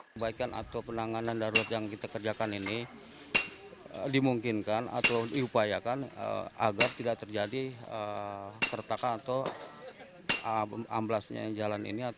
perbaikan atau penanganan darurat yang kita kerjakan ini dimungkinkan atau diupayakan agar tidak terjadi keretakan atau amblasnya jalan ini